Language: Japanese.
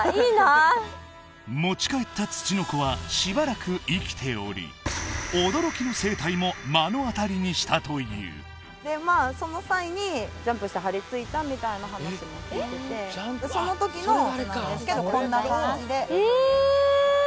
持ち帰ったツチノコはしばらく生きており驚きの生態も目の当たりにしたというでまあその際にジャンプして張りついたみたいな話も聞いててこんな感じでええー！